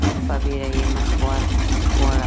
په بېړه يې مخ ور واړاوه.